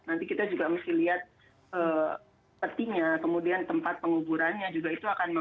nanti kita juga mesti lihat petinya kemudian tempat penguburannya juga itu akan